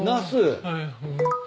はい。